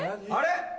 あれ？